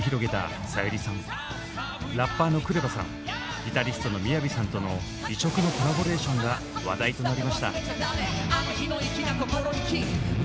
ラッパーのＫＲＥＶＡさんギタリストのＭＩＹＡＶＩさんとの異色のコラボレーションが話題となりました。